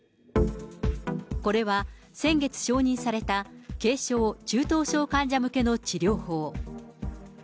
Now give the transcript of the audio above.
これは先月承認された軽症・中等症患者向けの治療法。